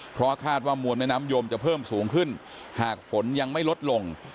เพราะคาดว่ามวลแม่น้ำยมจะเพิ่มสูงขึ้นหากฝนยังไม่ลดลง